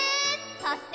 そして。